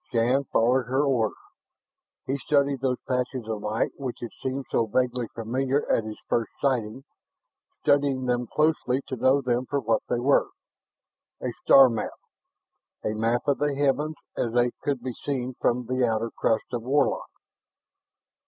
Shann followed her order. He studied those patches of light which had seemed so vaguely familiar at his first sighting, studying them closely to know them for what they were. A star map! A map of the heavens as they could be seen from the outer crust of Warlock.